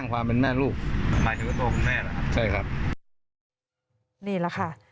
นี่แหละค่ะ